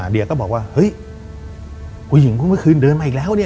เดียก็บอกว่าเฮ้ยผู้หญิงเมื่อคืนเดินมาอีกแล้วเนี่ย